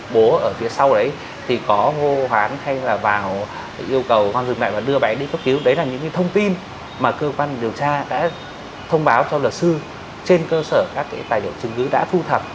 bố ở phía sau đấy thì có vô hoán hay là vào yêu cầu con dừng lại và đưa bạn đi có cứu đấy là những cái thông tin mà cơ quan điều tra đã thông báo cho luật sư trên cơ sở các cái tài liệu chứng cứ đã thu thật